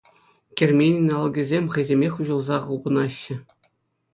Керменӗн алӑкӗсем хӑйсемех уҫӑлса хупӑнаҫҫӗ.